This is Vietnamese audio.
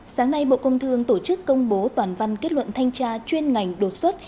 sáng nay bộ công thương tổ chức công bố toàn văn kết luận thanh tra chuyên ngành đột xuất